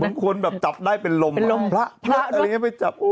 บางคนจับได้เป็นลมพระอะไรอย่างนี้ไปจับ